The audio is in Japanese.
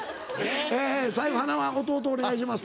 最後塙弟お願いします。